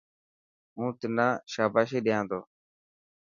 هون تنا شاباشي ڏيا تو.